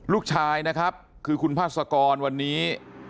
ลูกชายนะครับคือคุณพาสกรวันนี้